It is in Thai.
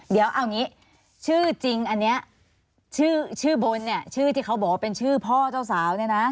เดี๋ยวเอางี้ชื่อจริงอันนี้ชื่อบนเนี่ยชื่อที่เขาบอกว่าเป็นชื่อพ่อเจ้าสาวเนี่ยนะ